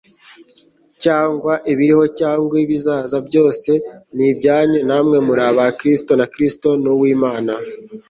cyangwa ibiriho cyangwa ibizaza byose ni ibyanyu na mwe muri aba Kristo, na Kristo ni uw'Imana."»